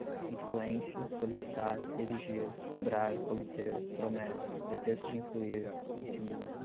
influência, solicitar, exigir, cobrar, obter, promessa, pretexto de influir, insinua